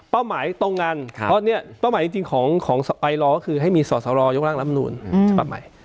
เป้าหมายตรงกันเพราะเนี่ยเป้าหมายจริงของไอรอคือให้มีสอสรอยกร่างรำนูนเฉพาะใหม่